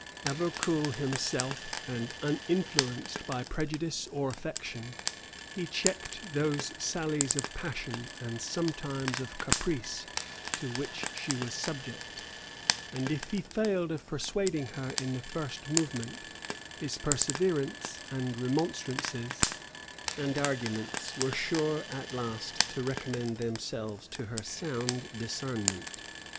Ever cool himself, and uninfluenced by prejudice or affection, he checked those sallies of passion, and sometimes of caprice, to which she was subject; and if he failed of persuading her in the first movement, his perseverance, and remonstrances, and arguments were sure at last to recommend themselves to her sound discernment.